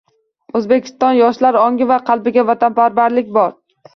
Oʻzbekiston yoshlar ongi va qalbiga vatanparvarlik bor